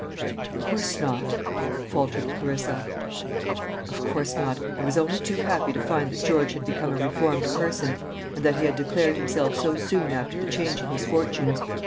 "Of course not," faltered Clarissa. "Of course not. I was only too happy to find that George had become a reformed person, and that he had declared himself so soon after the change in his fortunes.